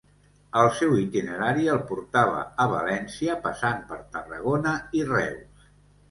El seu itinerari el portava a València passant per Tarragona i Reus.